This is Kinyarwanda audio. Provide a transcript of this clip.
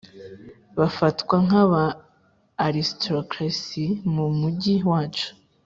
bafatwa nkaba aristocracy mumujyi wacu.